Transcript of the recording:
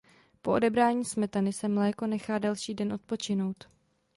Po odebrání smetany se mléko nechá další den odpočinout.